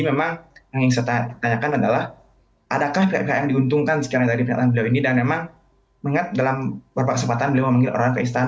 mahasiswa aja ngerasa kok partai partai pada wajar wajar aja